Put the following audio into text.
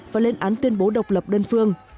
và lên án tuyên bố độc lập đơn phương